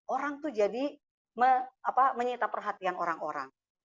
orang itu jadi menyita perhatian orang orang